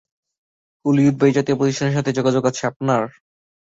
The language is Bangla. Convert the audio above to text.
হলিউড বা এই জাতীয় প্রতিষ্ঠানের সাথে যোগাযোগ আছে আপনার!